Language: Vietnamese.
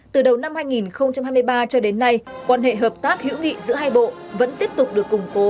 từ đầu năm hai nghìn hai mươi ba cho đến nay quan hệ hợp tác hữu nghị giữa hai bộ vẫn tiếp tục được củng cố